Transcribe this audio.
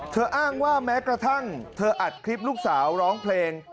อ้างว่าแม้กระทั่งเธออัดคลิปลูกสาวร้องเพลง